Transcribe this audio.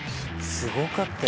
すごかったよ